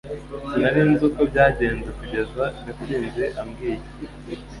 Sinari nzi uko byagenze kugeza Gatsinzi ambwiye